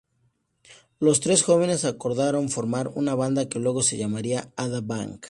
Los tres jóvenes acordaron formar una banda que luego se llamaría Ada Band.